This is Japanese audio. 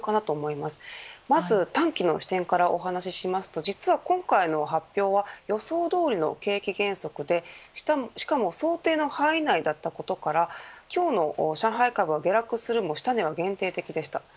まず短期の視点からお話しますと、実は今回の発表は予想どおりの景気減速でしかも想定の範囲内だったことから今日の上海株は下落するも下値は限定的でした。